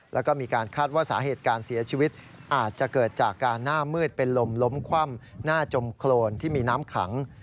แล้วก็มีการคาดว่าสาเหตุการเสียชีวิตอาจจะเกิดจากการหน้ามืดเป็นลมล้มคว่ำหน้าจมโครนที่มีน้ำขัง